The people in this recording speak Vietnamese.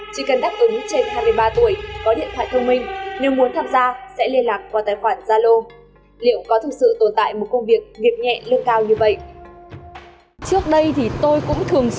chỉ cần đáp ứng trên hai mươi ba tuổi có điện thoại thông minh